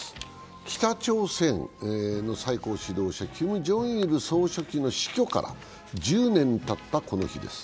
北朝鮮の最高指導者キム・ジョンイル総書記の死去から１０年たったこの日です。